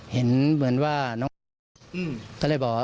เห็นเหมือนว่าน้องก็เลยบอกว่า